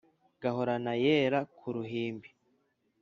Gahorane ayera ku ruhimbi